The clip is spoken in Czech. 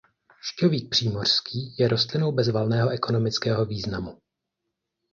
Šťovík přímořský je rostlinou bez valného ekonomického významu.